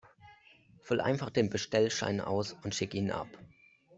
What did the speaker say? Füll einfach den Bestellschein aus und schick ihn ab.